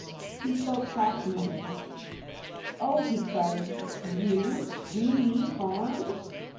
He spoke passionately. ^ Oh !' he cried. ' Vozi do me harm